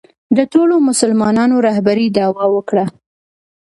د ټولو مسلمانانو رهبرۍ دعوا وکړه